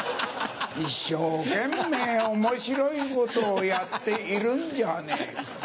一生懸命面白いことをやっているんじゃねえか。